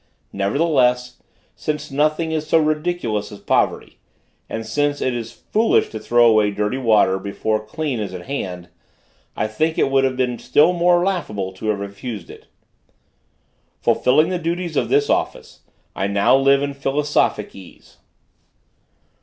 Nevertheless, since nothing is so ridiculous as poverty, and since it is foolish to throw away dirty water, before clean is at hand, I think it would have been still more laughable to have refused it. Fulfilling the duties of this office, I now live in philosophic ease.